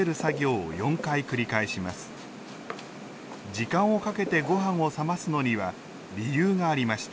時間をかけてごはんを冷ますのには理由がありました